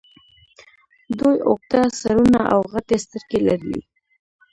دوی اوږده سرونه او غټې سترګې لرلې